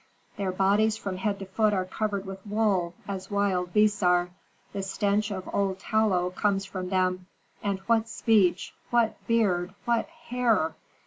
Their bodies from head to foot are covered with wool, as wild beasts are; the stench of old tallow comes from them; and what speech, what beard, what hair!"